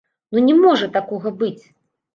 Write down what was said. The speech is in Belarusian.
Ну не можа такога быць!